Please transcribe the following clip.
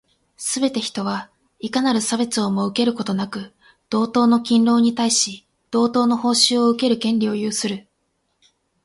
すべて人は、いかなる差別をも受けることなく、同等の勤労に対し、同等の報酬を受ける権利を有する。